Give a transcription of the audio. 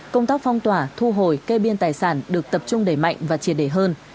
công tác phong tỏa thu hồi kê biên tài sản được tập trung đẩy mạnh và triệt đề hơn